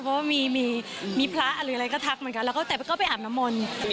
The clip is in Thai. เพราะมีพระหรืออะไรก็ทักเหมือนกันแต่ก็ไปอาบนามมนต์